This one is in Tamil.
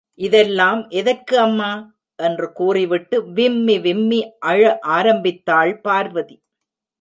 இதெல்லாம் எதற்கு அம்மா? என்று கூறிவிட்டு விம்மி விம்மி அழ ஆரம்பித்தாள் பார்வதி.